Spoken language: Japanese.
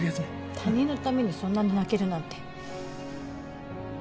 他人のためにそんなに泣けるなんて。